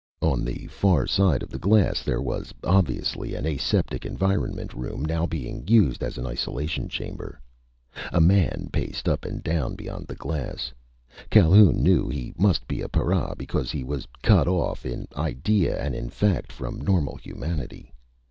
On the far side of the glass there was, obviously, an aseptic environment room now being used as an isolation chamber. A man paced up and down beyond the glass. Calhoun knew he must be a para because he was cut off in idea and in fact from normal humanity.